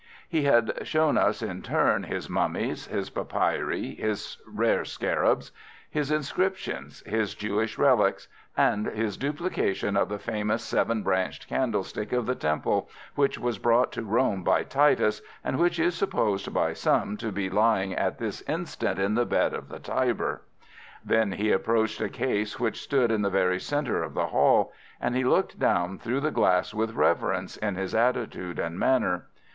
He had shown us in turn his mummies, his papyri, his rare scarabs, his inscriptions, his Jewish relics, and his duplication of the famous seven branched candlestick of the Temple, which was brought to Rome by Titus, and which is supposed by some to be lying at this instant in the bed of the Tiber. Then he approached a case which stood in the very centre of the hall, and he looked down through the glass with reverence in his attitude and manner.